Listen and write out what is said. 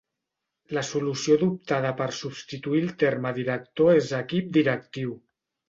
La solució adoptada per substituir el terme director és equip directiu.